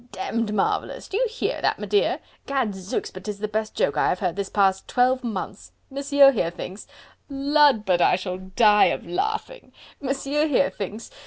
demmed marvellous... do you hear that, m'dear?... Gadzooks! but 'tis the best joke I have heard this past twelve months.... Monsieur here thinks... Lud! but I shall die of laughing.... Monsieur here thinks...